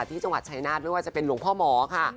ที่จังหวัดชายนาฏไม่ว่าจะเป็นหลวงพ่อหมอค่ะ